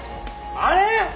あれ？